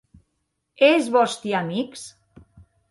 E es vòsti amics?